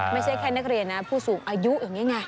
ไม่ใช่แค่นักเรียนนะผู้สูงอายุอย่างนี้ไง